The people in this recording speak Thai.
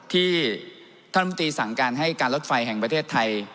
ที่ท่านรัฐมนตรีสั่งการให้การรถไฟแห่งประเทศไทย